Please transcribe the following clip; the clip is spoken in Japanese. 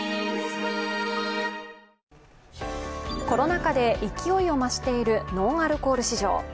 コロナ禍で勢いを増しているノンアルコール市場。